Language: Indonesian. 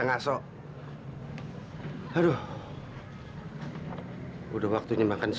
ada buktinya nggak